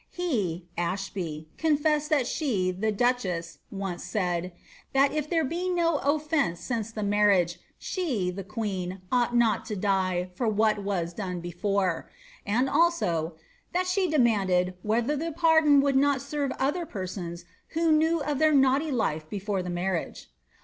He (Ashby) confessed that ibe (the duchess) once said, ^ that if there be no ofience since the roarriagef she (the queen) ought not to die for what was done before;' and ako, ^ that she demanded, whetlier the pardon ' would not serve other penooi who knew of their naughty life before the marriage.'